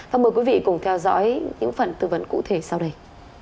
và mời quý vị cùng theo dõi những phần tư vấn cụ thể sau đây